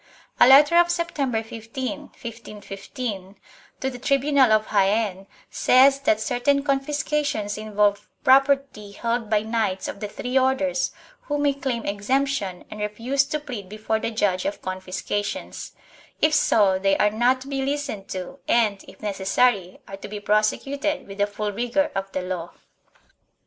A letter of September 15, 1515, to the tribunal of Jaen, says that certain confiscations involve property held by knights of the three Orders who may claim exemption and refuse to plead before the judge of confiscations; if so they are not to be listened to and, if necessary, are to be prosecuted with the full rigor of the law.